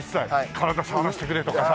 体触らせてくれとかさ。